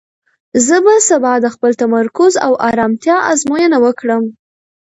زه به سبا د خپل تمرکز او ارامتیا ازموینه وکړم.